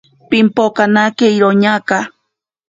Pipokanake iroñaka.